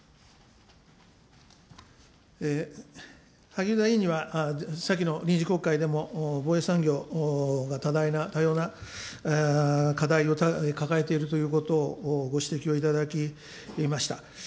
萩生田委員には、先の臨時国会でも防衛産業が多大な、多様な課題を抱えているということをご指摘を頂きました。